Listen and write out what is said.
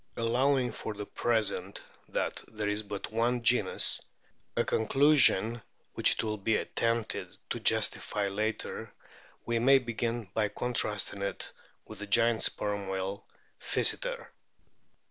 Allowing for the present that there is but one genus, a conclusion which it will be at tempted to justify later, we may begin by contrast ing it with the giant Sperm whale Physeter.